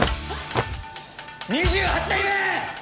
２８代目！